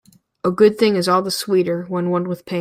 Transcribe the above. A good thing is all the sweeter when won with pain.